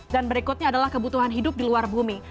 dan berikutnya adalah kebutuhan hidup di luar bumi